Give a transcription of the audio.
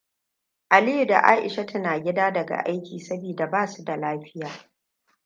Aliyuaa da Aishatu na gida daga aiki saboda ba su da lafiya.